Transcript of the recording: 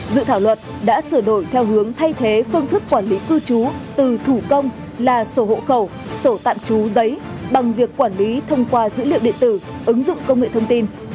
dự thảo luật đã sửa đổi theo hướng thay thế phương thức quản lý cư trú từ thủ công là sổ hộ khẩu sổ tạm trú giấy bằng việc quản lý thông qua dữ liệu điện tử ứng dụng công nghệ thông tin